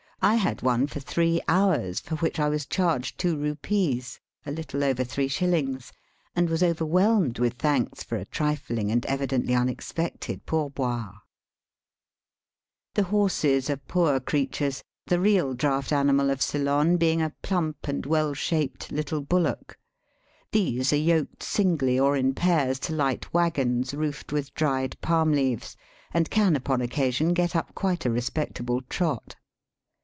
I had one for three hours, for which I was charged two rupees — a little over three shillings — and was over whelmed with thanks for a trifling and evi dently unexpected pourboire. The horses are poor creatures, the real draught animal of Ceylon heing a plump and weU shaped little bullock. These are yoked singly or in pairs to light waggons roofed with dried palm leaves, and can upon occasion get up quite a respectable trot.